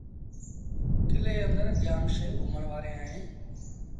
ڪلي اندر جآم شئيٚن گھمڻ وآريٚݩ اهيݩ۔